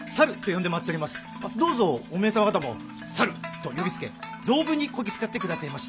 どうぞおめえ様方も「猿！」と呼びつけ存分にこき使ってくだせぇまし！